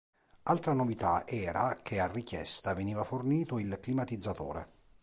Altra novità era che a richiesta veniva fornito il climatizzatore.